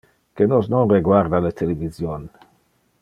Que nos non reguarda le television.